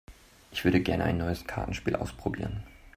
Ich würde gerne ein neues Kartenspiel ausprobieren.